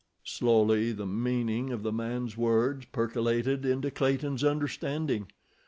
Slowly the meaning of the man's words percolated into Clayton's understanding.